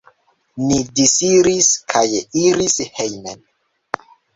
Ni disiris kaj iris hejmen.